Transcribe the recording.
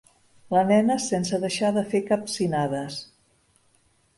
La nena sense deixar de fer capcinades.